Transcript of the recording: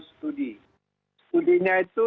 studi studinya itu